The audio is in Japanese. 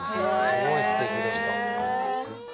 すごいすてきでした。